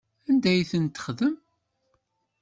Anda ay tent-txaḍem?